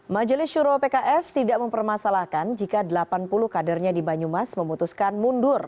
majelis syuro pks tidak mempermasalahkan jika delapan puluh kadernya di banyumas memutuskan mundur